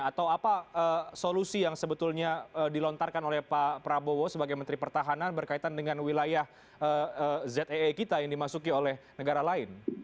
atau apa solusi yang sebetulnya dilontarkan oleh pak prabowo sebagai menteri pertahanan berkaitan dengan wilayah zee kita yang dimasuki oleh negara lain